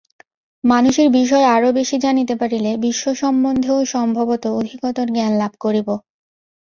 মানুষের বিষয় আরও বেশী জানিতে পারিলে বিশ্ব সম্বন্ধেও সম্ভবত অধিকতর জ্ঞানলাভ করিব।